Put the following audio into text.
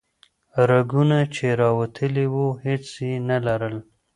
رګونه چې راوتلي وو هیڅ یې نه لرل.